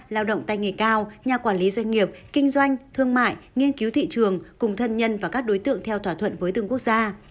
lao động tay nghề cao nhà quản lý doanh nghiệp kinh doanh thương mại nghiên cứu thị trường cùng thân nhân và các đối tượng theo thỏa thuận với từng quốc gia